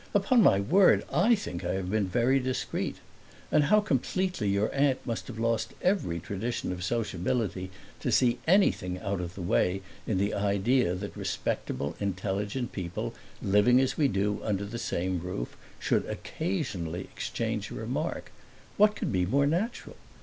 Upon my word I think I have been very discreet. And how completely your aunt must have lost every tradition of sociability, to see anything out of the way in the idea that respectable intelligent people, living as we do under the same roof, should occasionally exchange a remark! What could be more natural?